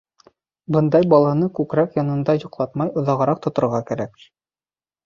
Бындай баланы күкрәк янында йоҡлатмай оҙағыраҡ тоторға кәрәк.